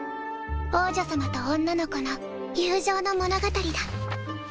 王女様と女の子の友情の物語だ。